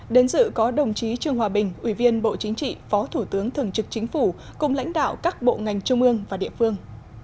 đến dự có đồng chí trương hòa bình ủy viên bộ chính trị phó thủ tướng thường trực chính phủ cùng lãnh đạo các bộ ngành trung ương và địa phương